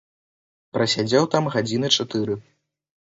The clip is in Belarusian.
Прасядзеў там гадзіны чатыры.